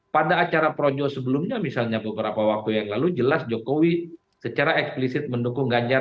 pada acara projo sebelumnya misalnya beberapa waktu yang lalu jelas jokowi secara eksplisit mendukung ganjar